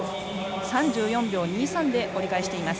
３４秒２３で折り返しています。